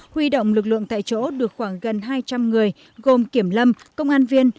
huy động lực lượng tại chỗ được khoảng gần hai trăm linh người gồm kiểm lâm công an viên